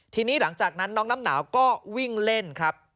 ทีนี้หลังจากนั้นน้องน้ำหนาวก็วิ่งเล่นครับ